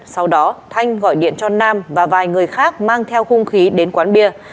sau đó thanh gọi điện cho nam và vài người khác mang theo hung khí đến quán bia